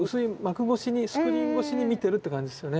スクリーンごしに見てるって感じですよね。